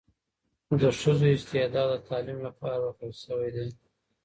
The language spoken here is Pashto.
د ښځو استعداد د تعلیم لپاره ورکړل شوی دی.